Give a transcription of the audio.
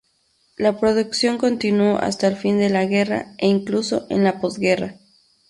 La producción continuó hasta el fin de la guerra e incluso en la posguerra.